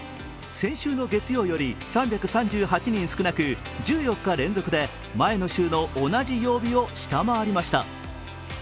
先週の月曜より３３８人少なく１４日連続で前の週の同じ曜日を下回りました。